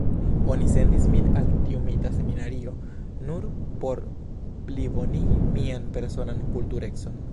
Oni sendis min al tiu mita seminario nur por plibonigi mian personan kulturecon.